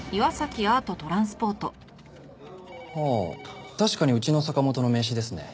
ああ確かにうちの坂本の名刺ですね。